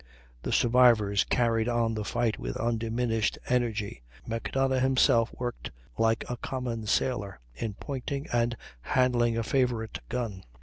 The survivors carried on the fight with undiminished energy. Macdonough himself worked like a common sailor, in pointing and handling a favorite gun.